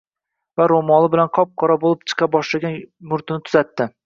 va “ro’moli bilan qop-qora bo’lib chiqa boshlagan murtini tuzatadi.